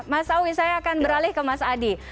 mas awi saya akan beralih ke mas adi